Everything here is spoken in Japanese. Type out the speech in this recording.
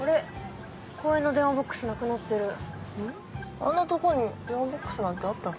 あんなとこに電話ボックスなんてあったっけ？